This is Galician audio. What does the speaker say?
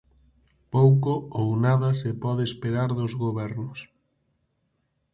Pouco ou nada se pode esperar dos gobernos.